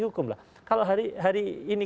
hukum kalau hari ini